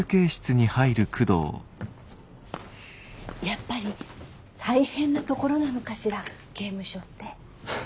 やっぱり大変な所なのかしら刑務所って。